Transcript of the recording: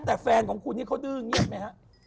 แต่แฟนของคุณนี่เขาดื้อเงียบไหมฮะ